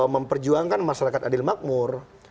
memperjuangkan masyarakat adil makmur